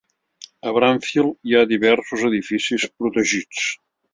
A Bramfield hi ha diversos edificis protegits.